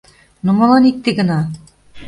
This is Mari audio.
Но молан икте гына?